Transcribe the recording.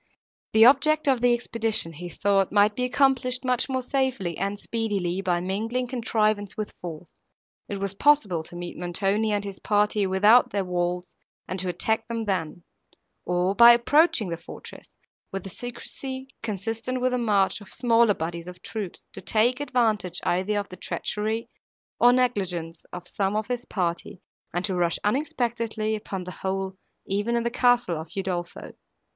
The object of the expedition, he thought, might be accomplished much more safely and speedily by mingling contrivance with force. It was possible to meet Montoni and his party, without their walls, and to attack them then; or, by approaching the fortress, with the secrecy, consistent with the march of smaller bodies of troops, to take advantage either of the treachery, or negligence of some of his party, and to rush unexpectedly upon the whole even in the castle of Udolpho.